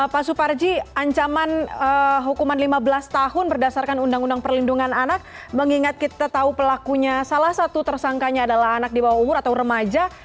pak suparji ancaman hukuman lima belas tahun berdasarkan undang undang perlindungan anak mengingat kita tahu pelakunya salah satu tersangkanya adalah anak di bawah umur atau remaja